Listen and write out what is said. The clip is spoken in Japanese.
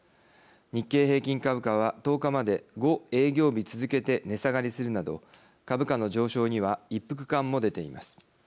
日経平均株価は１０日まで、５営業日続けて値下がりするなど株価の上昇には一服感も出ています。